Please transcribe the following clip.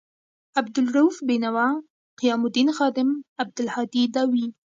عبدا لروؤف بینوا، قیام الدین خادم، عبدالهادي داوي